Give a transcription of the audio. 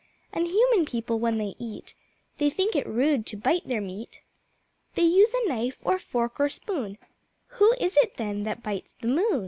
And Human People, when they eat They think it rude to bite their meat, They use a Knife or Fork or Spoon; Who is it then that bites the moon?